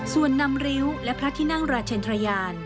ส่วนนำริ้วและพระที่นั่งราชเชนทรยาน